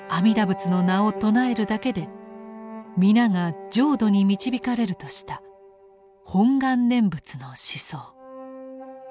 仏の名を称えるだけで皆が浄土に導かれるとした「本願念仏」の思想。